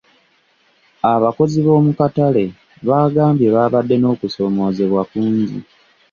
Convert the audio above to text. Abakozi b'omukatale baagambye baabadde n'okusoomozebwa kungi.